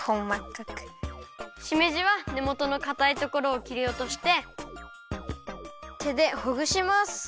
しめじはねもとのかたいところをきりおとしててでほぐします。